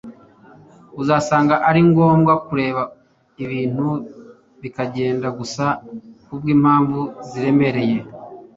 uzasanga ari ngombwa kureka ibintu bikagenda; gusa kubwimpamvu ziremereye